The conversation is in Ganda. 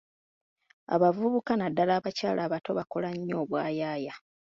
Abavubuka naddala abakyala abato bakola nnyo obwa yaaya.